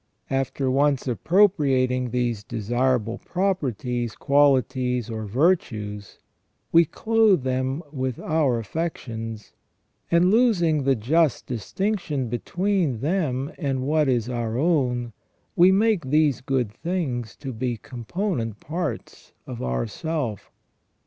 After once appropriating these desirable properties, qualities, or virtues, we clothe them with our affections, and, losing the just distinction between them and what is our own, we make these good things to be component parts of ourself.